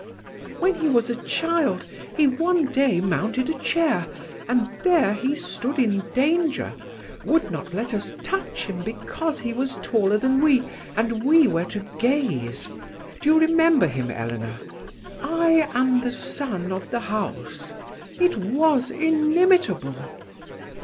" When he was a child he one day mounted a chair, and there he stood in danger, would not let us touch him because he was taller than we, and we were to gaze. Do you remember him, Eleanor? 'I am the sun of the house!' It was inimitable!"